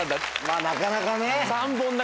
まぁなかなかね。